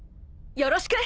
よろしく！